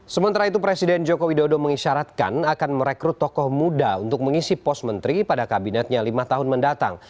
sementara itu presiden joko widodo mengisyaratkan akan merekrut tokoh muda untuk mengisi pos menteri pada kabinetnya lima tahun mendatang